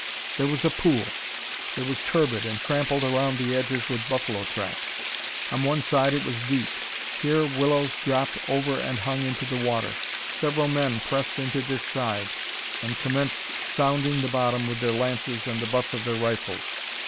There was a pool. It was turbid and trampled around the edges with buffalo tracks. On one side it was deep. Here willows dropped over and hung into the water. Several men pressed into this side, and commenced sounding the bottom with their lances and the butts of their rifles.